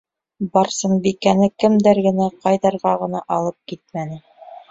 Барсынбикәне кемдәр генә, ҡайҙарға ғына алып китмәне.